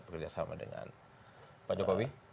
bekerja sama dengan pak jokowi